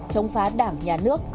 chống phá đảng nhà nước